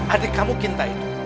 adik kamu kinta itu